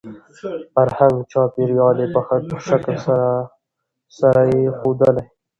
فرهنګ ،چاپېريال يې په ښه شکل سره يې ښودلى .